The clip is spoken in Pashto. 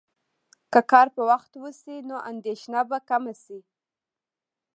که کار په وخت وشي، نو اندېښنه به کمه شي.